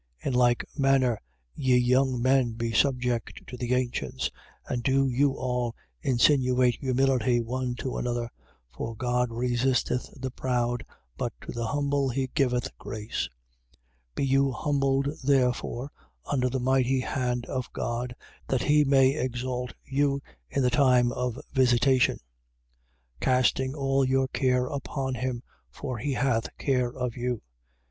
In like manner, ye young men, be subject to the ancients. And do you all insinuate humility one to another: for God resisteth the proud, but to the humble he giveth grace. 5:6. Be you humbled therefore under the mighty hand of God, that he may exalt you in the time of visitation: 5:7. Casting all your care upon him, for he hath care of you. 5:8.